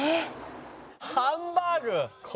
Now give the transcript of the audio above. ハンバーグ！